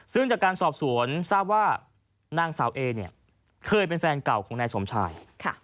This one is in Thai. ซึ่งจากการสอบสวนทราบว่านางสาวเอเนี่ยเคยเป็นแฟนเก่าของนายสมชาย